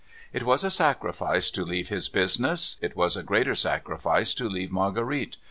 It was a sacrifice to leave his business ; it was a greater sacrifice to leave Marguerite.